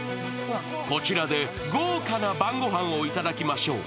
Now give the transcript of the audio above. こちらで豪華な晩ご飯をいただきましょう。